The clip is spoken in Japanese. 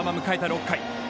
６回。